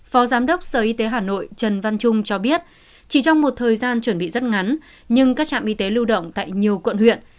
phó giám đốc sở y tế hà nội trần văn trung cho biết chỉ trong một thời gian chuẩn bị rất ngắn nhưng các trạm y tế lưu động tại nhiều quận huyện